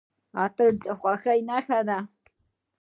اتن د خوښۍ نښه ده.